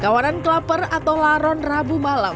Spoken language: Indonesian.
kawanan kelaper atau laron rabu malam